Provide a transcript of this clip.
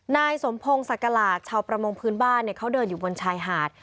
นายสมพงศักราชชาวประมงพื้นบ้านเขาเดินอยู่บนชายหาด